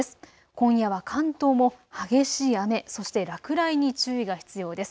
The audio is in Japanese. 今夜は関東も激しい雨、そして落雷に注意が必要です。